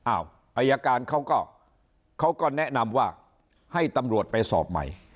อายการเขาก็เขาก็แนะนำว่าให้ตำรวจไปสอบใหม่